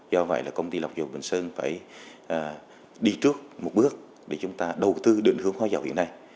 do vậy là công ty lọc dầu bình sơn phải đi trước một bước để chúng ta đầu tư định hướng hóa dầu hiện nay